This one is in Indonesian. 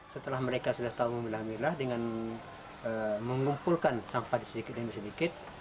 setelah mereka sudah tahu alhamdulillah dengan mengumpulkan sampah sedikit sedikit